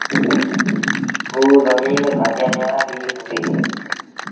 اوٚ زميݩ ڪآديآنيآن ريٚ هُݩديٚ۔